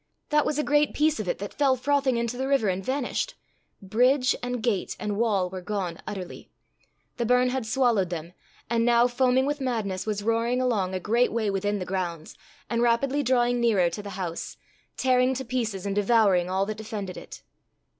That was a great piece of it that fell frothing into the river and vanished! Bridge and gate and wall were gone utterly. The burn had swallowed them, and now, foaming with madness, was roaring along, a great way within the grounds, and rapidly drawing nearer to the house, tearing to pieces and devouring all that defended it.